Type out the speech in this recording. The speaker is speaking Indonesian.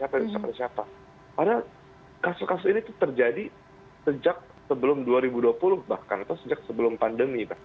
karena kasus kasus ini terjadi sejak sebelum dua ribu dua puluh bahkan atau sejak sebelum pandemi